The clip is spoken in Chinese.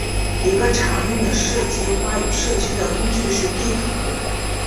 一个常用的设计话语社区的工具是地图。